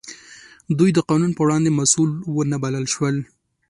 دوی د قانون په وړاندې مسوول ونه بلل شول.